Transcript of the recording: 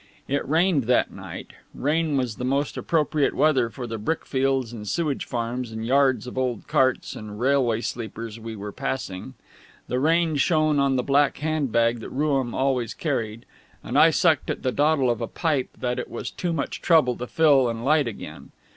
It rained that night; rain was the most appropriate weather for the brickfields and sewage farms and yards of old carts and railway sleepers we were passing. The rain shone on the black hand bag that Rooum always carried; and I sucked at the dottle of a pipe that it was too much trouble to fill and light again.